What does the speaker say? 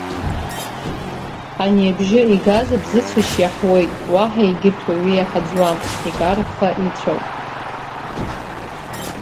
Ани абжьы игаз абзыцәашь иаҳуеит, уаҳа егьырҭ уаҩы иаҳаӡуам, икараха ицәауп.